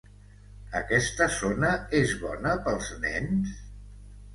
Aquesta zona és bona pels nens?